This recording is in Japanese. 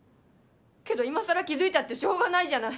けど今さら気づいたってしょうがないじゃない。